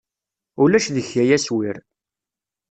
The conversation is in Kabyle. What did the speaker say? Ulac deg-k ay aswir.